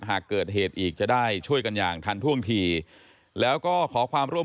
หากเกิดเหตุอีกจะได้ช่วยกันอย่างทันท่วงทีแล้วก็ขอความร่วม